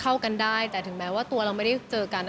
เพราะว่าอยากเลี่ยงฆ่าตัวนั่นนี่นั่นนี่